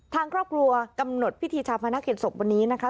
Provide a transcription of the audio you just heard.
ทางครอบครัวกำหนดพิธีชาพนักกิจศพวันนี้นะคะ